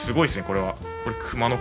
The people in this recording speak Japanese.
これは。